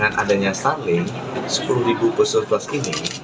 dengan adanya sarling sepuluh peserta ini